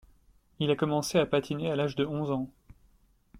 Il a commencé à patiner à l'âge de onze ans.